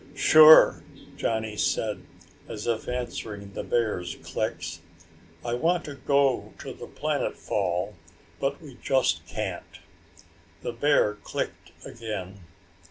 "Sure," Johnny said, as if answering the bear's clicks, "I want to go to the planet fall, but we just can't." The bear clicked again.